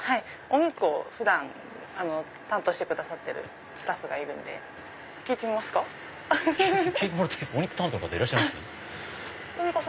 お肉を普段担当してるスタッフがいるんで聞いてみますか？